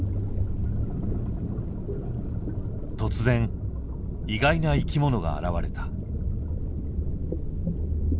突然意外な生きものが現れた。